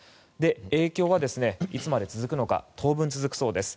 影響はいつまで続くのか当分続くそうです。